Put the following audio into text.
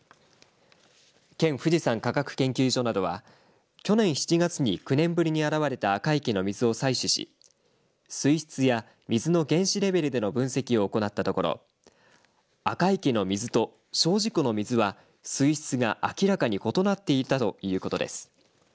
県富士山科学研究所などは去年７月に９年ぶりに現れた赤池の水を採取し水質や水の原子レベルの分析を行ったところ赤池の水と精進湖の水は水質が明らかに異なっていたということです。